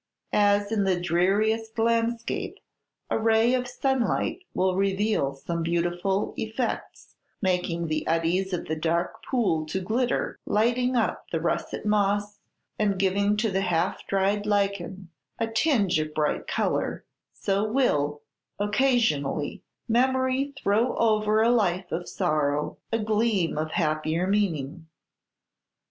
As in the dreariest landscape a ray of sunlight will reveal some beautiful effects, making the eddies of the dark pool to glitter, lighting up the russet moss, and giving to the half dried lichen a tinge of bright color, so will, occasionally, memory throw over a life of sorrow a gleam of happier meaning.